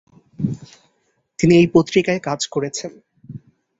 তিনি এই পত্রিকায় কাজ করেছেন।